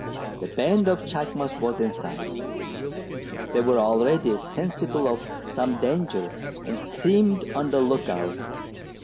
The band of chacmas was in sight, they were already sensible of some danger, and seemed on the look out.